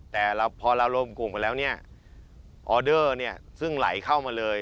แต่พอเรารวมกลุ่มกันแล้วออเดอร์ซึ่งไหลเข้ามาเลย